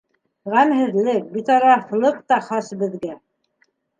Ғәмһеҙлек, битарафлыҡ та хас беҙгә.